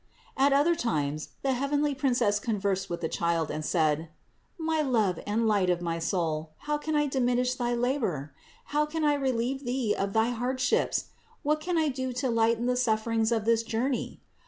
637. At other times the heavenly Princess conversed with the Child and said : "My love and light of my soul, how can I diminish thy labor ? How can I relieve Thee of thy hardships? What can I do to lighten the sufferings of this journey?